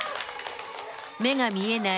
目が見えない